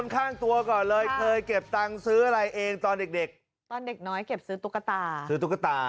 ข้างตัวก่อนเลยเคยเก็บตังค์ซื้ออะไรเองตอนเด็กตอนเด็กน้อยเก็บซื้อตุ๊กตาซื้อตุ๊กตา